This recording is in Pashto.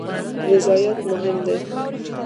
رضایت مهم دی